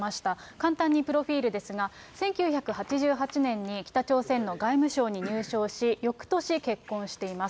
簡単にプロフィールですが、１９８８年に北朝鮮の外務省に入省し、よくとし結婚しています。